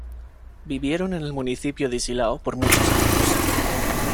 Vivieron en el municipio de Silao por muchos años.